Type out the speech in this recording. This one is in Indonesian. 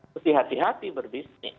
harus hati hati berbisnis